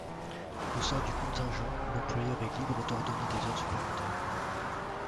Au sein du contingent, l'employeur est libre d’ordonner des heures supplémentaires.